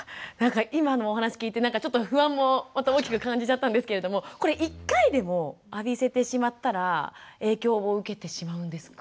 今のお話聞いてなんかちょっと不安もまた大きく感じちゃったんですけれどもこれ１回でも浴びせてしまったら影響を受けてしまうんですか？